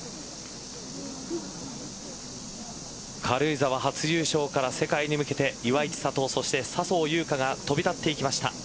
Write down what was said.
軽井沢初優勝から世界に向けて岩井千怜そして笹生優花が飛び立っていきました。